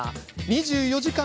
２４時間